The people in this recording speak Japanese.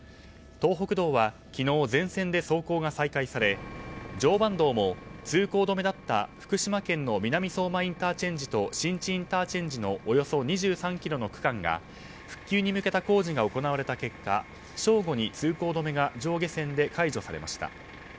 東北道は昨日全線で走行が再開され常磐道も通行止めだった福島県の南相馬インターチェンジと新地ＩＣの、およそ２３ｋｍの区間が復旧に向けた工事が行われた結果正午に通行止めが上下線で解除されました。